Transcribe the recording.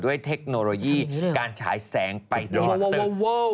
ด้วยเทคโนโลยีการฉายแสงไปตึก